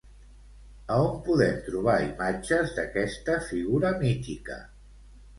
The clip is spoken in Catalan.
A on podem trobar imatges d'aquesta figura mítica?